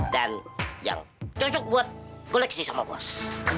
dan yang cocok buat koleksi sama bos